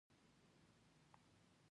د اسامبلې قدرت پر بېلتون ولاړ و.